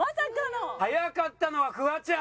速かったのはフワちゃん。